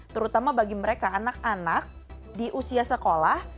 terutama bagi mereka anak anak di usia sekolah